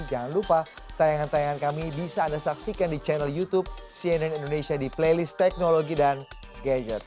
jangan lupa tayangan tayangan kami bisa anda saksikan di channel youtube cnn indonesia di playlist teknologi dan gadget